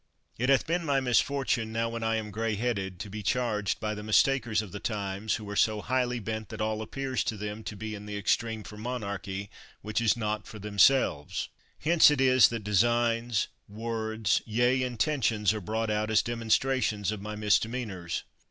It hath been my misfortune, now when I am gray headed, to be charged by the mistakers of the times, who are so highly bent that all appears to them to be in the extreme for monarchy which is not for themselves. Hence it is that designs, words, yea, intentions, are brought out as dem onstrations of my misdemeanors.